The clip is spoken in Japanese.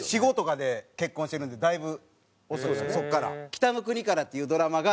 『北の国から』っていうドラマが。